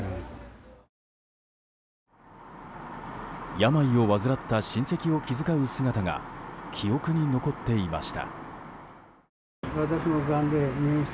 病を患った親戚を気遣う姿が記憶に残っていました。